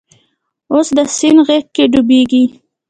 اوس د سیند غیږ کې ډوبیږې